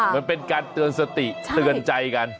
มันเป็นการเตือนสติเตือนใจกัน